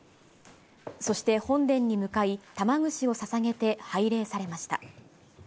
そして本殿に向かい、玉串をささげて拝礼されました。